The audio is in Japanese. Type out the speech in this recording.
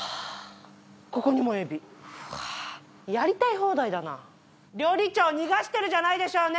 ここにもエビやりたい放題だな料理長逃がしてるじゃないでしょうね